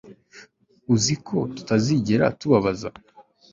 Uzi ko tutazigera tubabaza